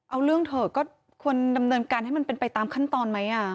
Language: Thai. เอาเรื่องเถอะก็ควรดำเนินการให้มันเป็นไปตามขั้นตอนไหม